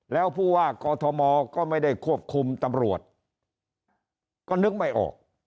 แล้วผู้ว่ากอทมก็ไม่ได้ควบคุมตำรวจก็นึกไม่ออก